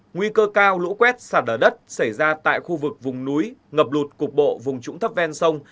nguy cơ cao lũ quét sạt lở đất xảy ra tại khu vực vùng núi ngập lụt cục bộ vùng trũng thấp ven sông